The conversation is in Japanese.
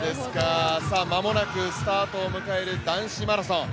間もなくスタートを迎える男子マラソン。